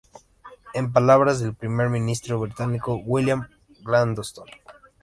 En palabras del primer ministro británico, William Gladstone.